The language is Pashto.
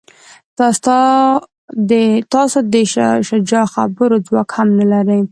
تاسو د شاه شجاع خبرو ځواک هم نه لرئ.